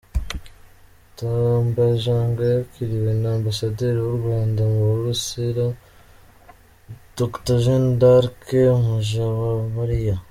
Tambajang yakiriwe na Ambasaderi w’u Rwanda mu Burusira, Dr Jeanne d’Arc Mujawamariya.